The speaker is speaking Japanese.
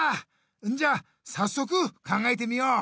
んじゃさっそく考えてみよう！